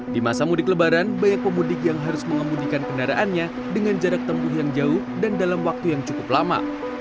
di masa mudik lebaran banyak pemudik yang harus mengemudikan kendaraannya dengan jarak tempuh yang jauh dan dalam waktu yang cukup lama